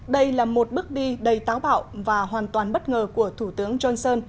đây là một bước đi đầy táo bạo và hoàn toàn bất ngờ của thủ tướng johnson